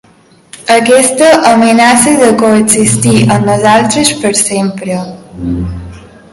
Aquesta amenaça de coexistir amb nosaltres per sempre.